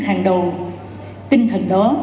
hàng đầu tinh thần đó